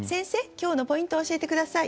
今日のポイントを教えて下さい。